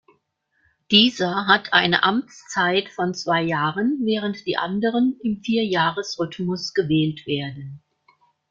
Dieser hat eine Amtszeit von zwei Jahren, während die anderen im Vierjahresrhythmus gewählt werden.